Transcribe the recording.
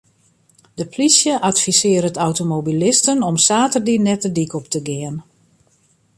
De plysje advisearret automobilisten om saterdei net de dyk op te gean.